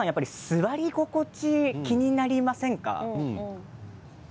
座り心地、気になりませんか？